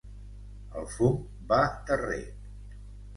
El fum va terrer.